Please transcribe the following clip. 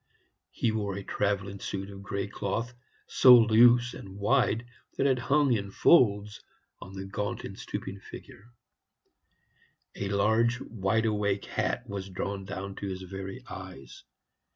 He wore a travelling suit of gray cloth, so loose and wide that it hung in folds on the gaunt and stooping figure; a large wide awake hat was drawn down to his very eyes.